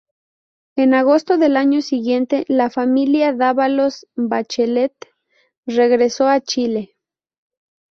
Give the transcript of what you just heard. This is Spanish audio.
En agosto del año siguiente, la familia Dávalos Bachelet regresó a Chile.